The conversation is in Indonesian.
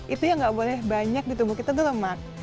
itu yang gak boleh banyak di tubuh kita tuh lemak